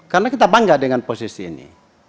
karena kita bangga dengan posisi ini